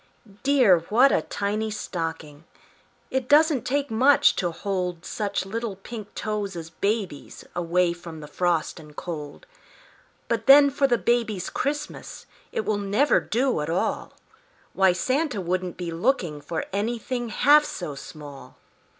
Dear! what a tiny stocking! It doesn't take much to hold Such little pink toes as baby's Away from the frost and cold. But then for the baby's Christmas It will never do at all; Why, Santa wouldn't be looking For anything half so small.